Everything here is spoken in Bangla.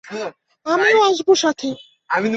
আমিও আসবো সাথে।